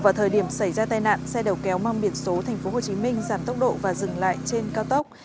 vào thời điểm xảy ra tai nạn xe đầu kéo mang biển số tp hcm giảm tốc độ và dừng lại trên cao tốc